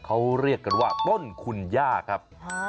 เขาเรียกกันว่าต้นคุณย่าครับ